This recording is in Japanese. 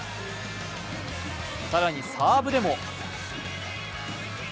更に、サーブでも。